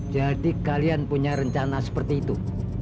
jadi kalian punya rencana seperti itu